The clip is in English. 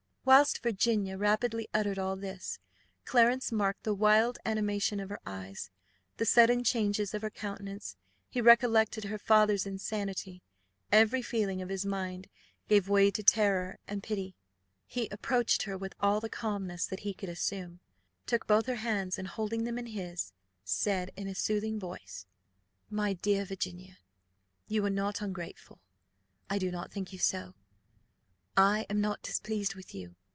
Whilst Virginia rapidly uttered all this, Clarence marked the wild animation of her eyes, the sudden changes of her countenance; he recollected her father's insanity; every feeling of his mind gave way to terror and pity; he approached her with all the calmness that he could assume, took both her hands, and holding them in his, said, in a soothing voice "My dear Virginia, you are not ungrateful. I do not think you so. I am not displeased with you.